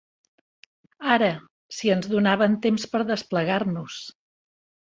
Ara, si ens donaven temps per desplegar-nos